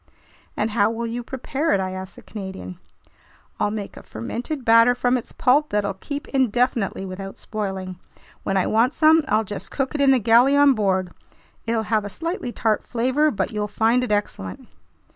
"And how will you prepare it?" I asked the Canadian. "I'll make a fermented batter from its pulp that'll keep indefinitely without spoiling. When I want some, I'll just cook it in the galley on board—it'll have a slightly tart flavor, but you'll find it excellent."